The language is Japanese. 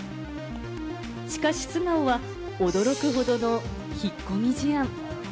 しかし素顔は驚くほどの引っ込み思案。